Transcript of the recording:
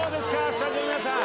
スタジオの皆さん。